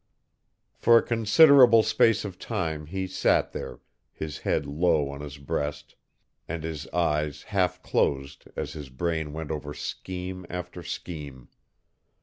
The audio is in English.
For a considerable space of time he sat there, his head low on his breast, and his eyes half closed as his brain went over scheme after scheme.